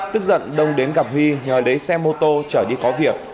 tức giận đông đến gặp huy nhờ lấy xe mô tô chở đi có việc